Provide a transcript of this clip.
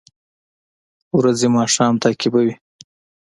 ورځې ماښام تعقیبوي